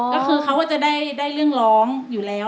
ก็คือเขาก็จะได้เรื่องร้องอยู่แล้ว